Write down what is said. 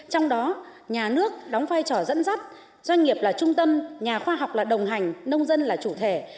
trong đó nhà nước đóng vai trò dẫn dắt doanh nghiệp là trung tâm nhà khoa học là đồng hành nông dân là chủ thể